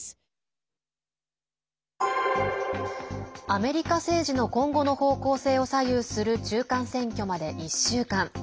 アメリカ政治の今後の方向性を左右する中間選挙まで１週間。